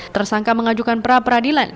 tersangka mengajukan pra peradilan